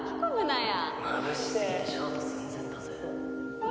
うわ！